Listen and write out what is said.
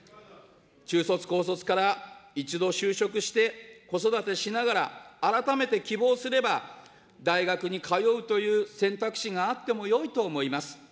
中卒、高卒から一度就職して、子育てしながら、改めて希望すれば大学に通うという選択肢があってもよいと思います。